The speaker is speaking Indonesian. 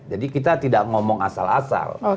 jadi kita tidak ngomong asal asal